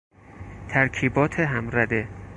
ترکیبات همرده